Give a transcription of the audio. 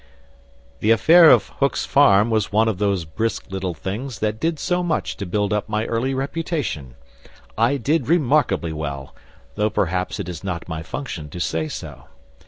"The affair of Hook's Farm was one of those brisk little things that did so much to build up my early reputation. I did remarkably well, though perhaps it is not my function to say so.